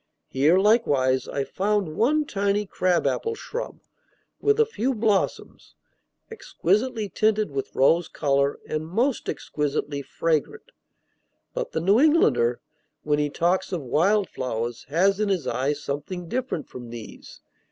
Here, likewise, I found one tiny crab apple shrub, with a few blossoms, exquisitely tinted with rose color, and most exquisitely fragrant. But the New Englander, when he talks of wild flowers, has in his eye something different from these.